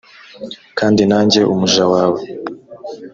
kandi nanjye umuja wawe